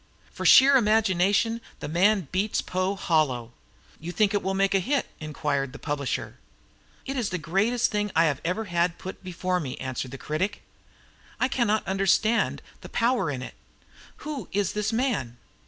For sheer imagination the man beats Poe hollow!" "You think it will make a hit?" inquired the publisher. "It is the greatest thing I ever had put before me," answered the critic. "I cannot understand the power in it. Who is the man?